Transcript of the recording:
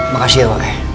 makasih ya pak